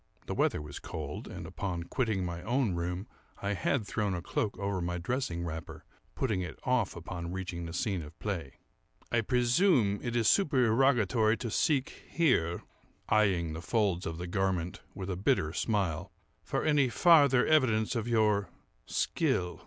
(The weather was cold; and, upon quitting my own room, I had thrown a cloak over my dressing wrapper, putting it off upon reaching the scene of play.) "I presume it is supererogatory to seek here (eyeing the folds of the garment with a bitter smile) for any farther evidence of your skill.